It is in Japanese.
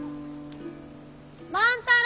万太郎！